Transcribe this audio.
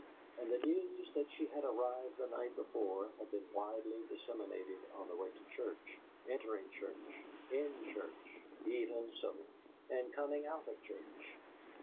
And the news that she had arrived the night before had been widely disseminated on the way to church, entering church, IN church (even so!), and coming out of church.